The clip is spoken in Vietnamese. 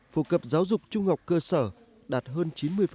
phổ cập giáo dục trung học cơ sở đạt hơn chín mươi